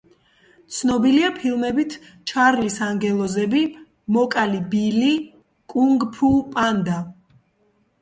ცნობილია ფილმებით „ჩარლის ანგელოზები“, „მოკალი ბილი“, „კუნგ-ფუ პანდა“.